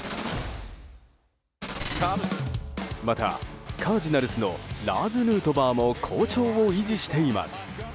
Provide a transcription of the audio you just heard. また、カージナルスのラーズ・ヌートバーも好調を維持しています。